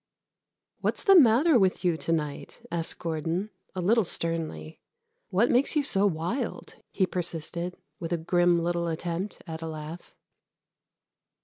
"What's the matter with you to night?" asked Gordon, a little sternly. "What makes you so wild?" he persisted, with a grim little attempt at a laugh.